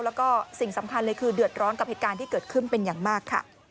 แล้วก็สิ่งสำคัญเลยคือเดือดร้อนกับเหตุการณ์ที่เกิดขึ้นเป็นอย่างมากค่ะ